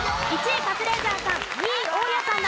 １位カズレーザーさん